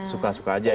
suka suka aja ya